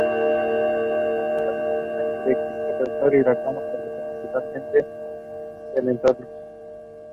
Friction primers were packed in sawdust in tinned metal boxes for storage and transport.